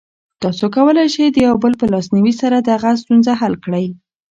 تاسو کولی شئ د یو بل په لاسنیوي سره دغه ستونزه حل کړئ.